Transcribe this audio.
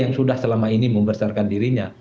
yang sudah selama ini membesarkan dirinya